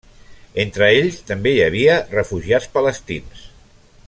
Entre ells també hi havia refugiats palestins.